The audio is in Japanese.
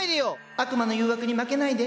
悪魔の誘惑に負けないで！